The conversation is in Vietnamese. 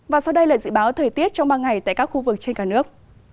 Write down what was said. và sau đây là dự báo thời tiết trong ba ngày tại các khu vực trên cả nước